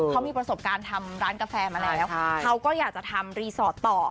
เขามีประสบการณ์ทำร้านกาแฟมาแล้วเขาก็อยากจะทำรีสอร์ทต่อ